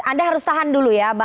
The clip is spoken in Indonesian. anda harus tahan dulu ya